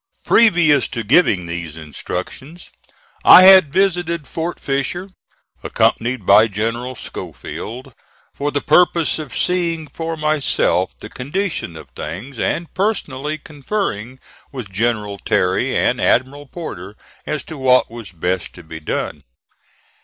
Previous to giving these instructions I had visited Fort Fisher, accompanied by General Schofield, for the purpose of seeing for myself the condition of things, and personally conferring with General Terry and Admiral Porter as to what was best to be done.